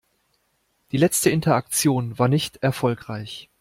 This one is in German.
Die letzte Interaktion war nicht erfolgreich.